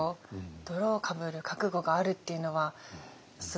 泥をかぶる覚悟があるっていうのはすごいですね。